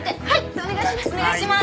お願いします。